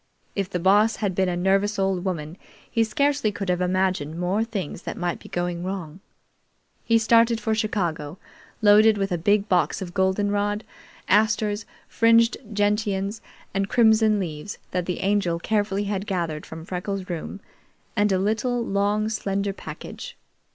If the Boss had been a nervous old woman, he scarcely could have imagined more things that might be going wrong. He started for Chicago, loaded with a big box of goldenrod, asters, fringed gentians, and crimson leaves, that the Angel carefully had gathered from Freckles' room, and a little, long slender package.